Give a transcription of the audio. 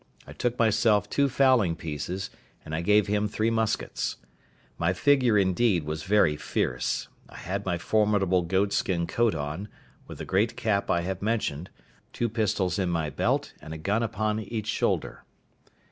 I took myself two fowling pieces, and I gave him three muskets. My figure, indeed, was very fierce; I had my formidable goat skin coat on, with the great cap I have mentioned, a naked sword by my side, two pistols in my belt, and a gun upon each shoulder.